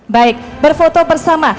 baik berfoto bersama